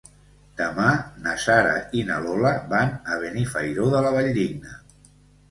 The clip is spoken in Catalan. Demà na Sara i na Lola van a Benifairó de la Valldigna.